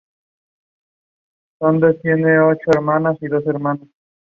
La pared del cráter sobreviviente está desgastada, con un contorno vagamente.